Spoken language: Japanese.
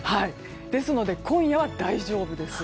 ですので今夜は大丈夫です。